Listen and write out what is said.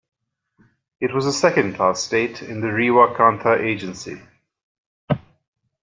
It was a second class state in the Rewa Kantha Agency.